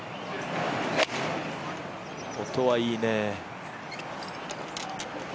音はいいね。